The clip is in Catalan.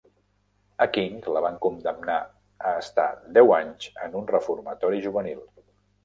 A King la van condemnar a estar deu anys en un reformatori juvenil